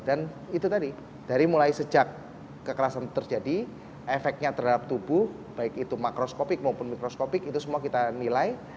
dan itu tadi dari mulai sejak kekerasan terjadi efeknya terhadap tubuh baik itu makroskopik maupun mikroskopik itu semua kita nilai